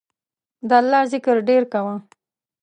د الله ذکر ډیر کوه